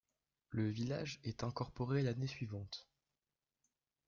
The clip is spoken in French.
Le village est incorporé l'année suivante.